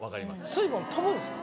水分飛ぶんですか？